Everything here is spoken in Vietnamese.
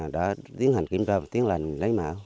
đã tiến hành kiểm tra và tiến lành lấy máu